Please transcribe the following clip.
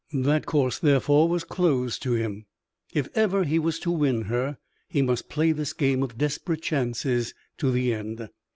That course, therefore, was closed to him. If ever he was to win her, he must play this game of desperate chances to the end.